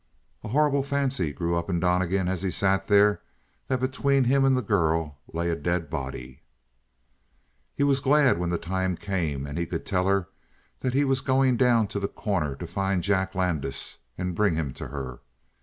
A horrible fancy grew up in Donnegan, as he sat there, that between him and the girl lay a dead body. He was glad when the time came and he could tell her that he was going down to The Corner to find Jack Landis and bring him to her.